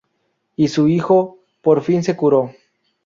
Y su hijo por fin se curó.